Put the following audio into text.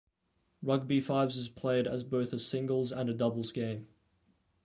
Rugby Fives is played as both a singles and a doubles game.